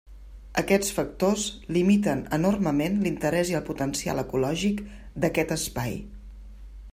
Aquests factors limiten enormement l'interès i el potencial ecològic d'aquest espai.